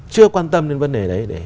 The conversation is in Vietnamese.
chưa quan tâm đến vấn đề đấy để